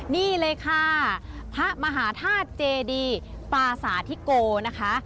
นี่เลยค่ะพระมหาธาตุเจดีปาสาธิโกนะคะ